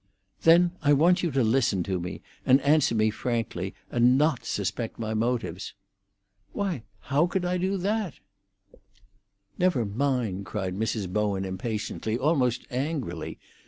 "Then I want you to listen to me, and answer me frankly, and not suspect my motives." "Why, how could I do that?" "Never mind!" cried Mrs. Bowen impatiently, almost angrily.